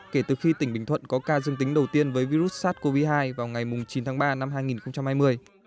kể từ khi tỉnh bình thuận có ca dương tính đầu tiên với virus sars cov hai vào ngày chín tháng ba năm hai nghìn hai mươi